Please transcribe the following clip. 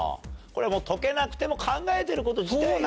これはもう解けなくても考えてること自体が。